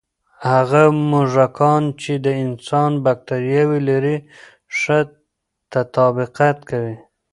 هغه موږکان چې د انسان بکتریاوې لري، ښه تطابق کوي.